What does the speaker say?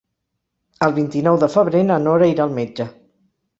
El vint-i-nou de febrer na Nora irà al metge.